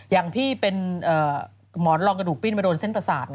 อย่างพี่เป็นหมอนรองกระดูกปิ้นมาโดนเส้นประสาท